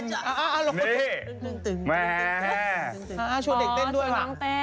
ชวนเด็กเต้นด้วยค่ะ